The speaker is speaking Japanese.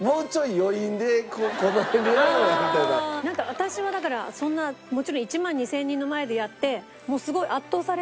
なんか私はだからそんなもちろん１万２０００人の前でやって。